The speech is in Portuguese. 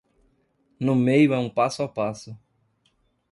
No meio é um passo a passo.